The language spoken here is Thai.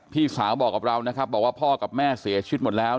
พี่สาวบอกว่าพ่อและแม่เสียชีวิตไปแล้ว